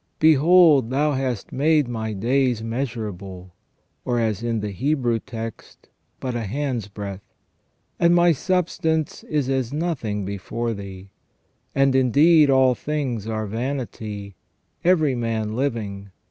"Behold thou hast made my days measurable (or, as in the Hebrew text, but a handsbreadth), and my substance is as nothing before Thee. And, indeed, all things are vanity ; every man living.